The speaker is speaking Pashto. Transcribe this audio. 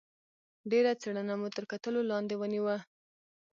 ډېره څېړنه مو تر کتلو لاندې ونیوه.